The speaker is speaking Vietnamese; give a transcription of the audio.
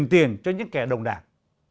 chỉ tiền cho những kẻ đồng đảng